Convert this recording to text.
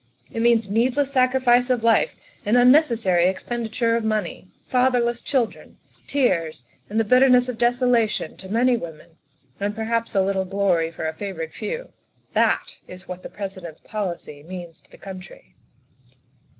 It means needless sacrifice of life and un necessary expenditure of money; fatherless children; tears, and the bitterness of desolation to many women; and perhaps a little glory for a favored few. That is what the President's policy means to the country."